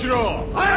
はい！